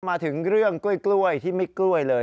มาถึงเรื่องกล้วยที่ไม่กล้วยเลย